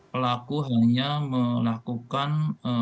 pelaku hanya melakukan